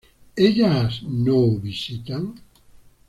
¿Ellas no visitan?